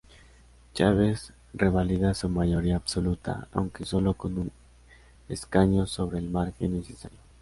Chaves revalida su mayoría absoluta aunque sólo con un escaño sobre el margen necesario.